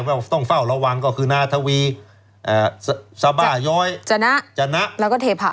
ว่าต้องเฝ้าระวังก็คือนาทวีซาบ้าย้อยจนะจนะแล้วก็เทพะ